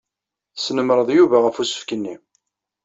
Tesnemmreḍ Yuba ɣef usefk-nni.